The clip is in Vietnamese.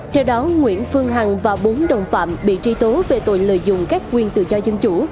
theo đó nguyễn phương hằng và bốn đồng phạm bị truy tố về tội lợi dụng các quyền tự do dân chủ